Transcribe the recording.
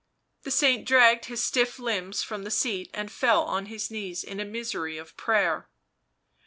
The saint dragged his stiff limbs from the seat and fell on his knees in a misery of prayer.